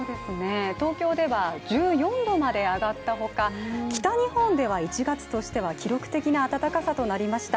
東京では１４度まで上がったほか北日本では１月としては記録的な暖かさとなりました。